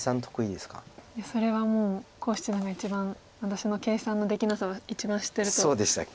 いやそれはもう孔七段が一番私の計算のできなさは一番知ってると思うんですが。